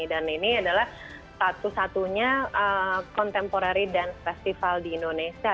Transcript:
dan ini adalah satu satunya contemporary dance festival di indonesia